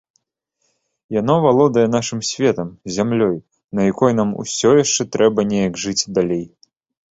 Яно валодае нашым светам, зямлёй, на якой нам усё яшчэ трэба неяк жыць далей.